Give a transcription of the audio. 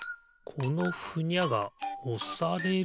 このふにゃがおされる？